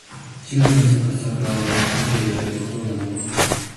四月に咲く桜は、見ているだけで心が和む。